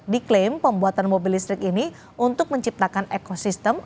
diklaim pembuatan mobil listrik ini untuk menciptakan ekosistem